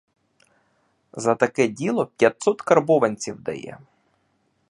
За таке діло п'ятсот карбованців дає.